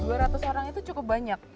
dua ratus orang itu cukup banyak